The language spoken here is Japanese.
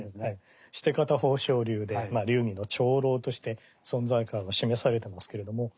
シテ方宝生流で流儀の長老として存在感を示されてますけれども。